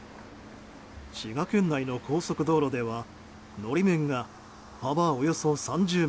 滋賀県内の高速道路では法面が幅およそ３０ｍ